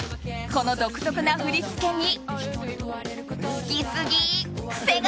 この独特な振り付けに。